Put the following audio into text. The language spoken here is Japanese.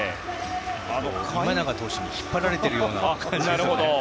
今永投手に引っ張られている感じですかね。